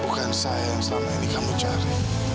bukan saya yang selama ini kamu cari